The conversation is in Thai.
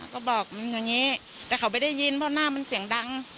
ก็บอกมึงอย่างนี้แต่เขาไม่ได้ยินเพราะหน้ามันเสียงดัง